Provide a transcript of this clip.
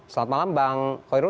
selamat malam bang khairul